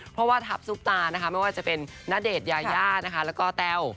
เพราะว่าทัพซุปตานะคะไม่ว่าจะเป็นณเดชน์ยายานะคะแล้วก็แต้ว